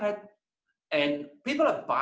dan orang membelinya